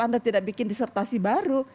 anda tidak bikin disertasi baru